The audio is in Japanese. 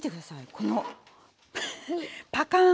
このパカーン！